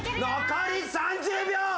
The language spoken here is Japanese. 残り３０秒。